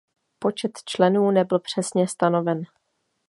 Počet členů nebyl přesně stanoven.